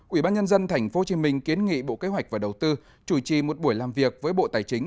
ủy ban nhân dân tp hcm kiến nghị bộ kế hoạch và đầu tư chủ trì một buổi làm việc với bộ tài chính